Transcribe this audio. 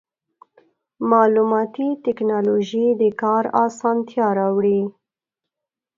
مالوماتي ټکنالوژي د کار اسانتیا راوړي.